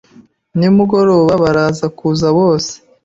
Ni mugoroba baraza kuza bose